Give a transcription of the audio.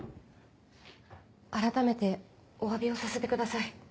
改めてお詫びをさせてください。